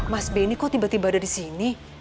mas benny kok tiba tiba ada di sini